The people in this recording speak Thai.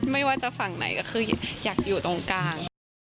ไม่ว่าจะฝั่งไหนก็คืออยากอยู่ตรงกลาง